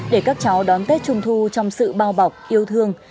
để các cháu đón tết trung thu trong sự bao bọc yêu thương